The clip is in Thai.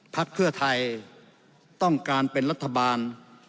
พักเพื่อไทยต้องการเป็นรัฐบาล